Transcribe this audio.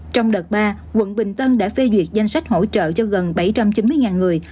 trong đợt ba quận bình tân đã phê duyệt danh sách hỗ trợ cho gần bảy trăm chín mươi người